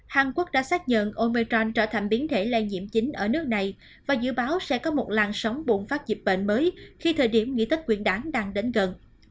hàn quốc đã xác nhận omicron trở thành biến thể lây nhiễm chính ở nước này và dự báo sẽ có một làn sóng bùng phát dịch bệnh mới khi thời điểm nghỉ tết nguyên đáng đang đến gần